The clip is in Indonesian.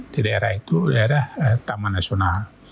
di daerah itu daerah taman nasional